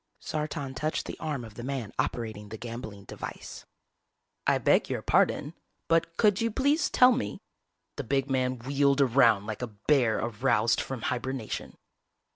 Sartan touched the arm of the man operating the gambling device. "I beg your pardon, but could you please tell me " The big man wheeled around like a bear aroused from hibernation.